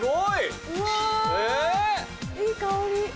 いい香り！